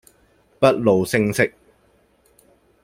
不露聲色